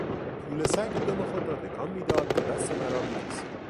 توله سگ دم خود را تکان میداد و دست مرا میلیسید.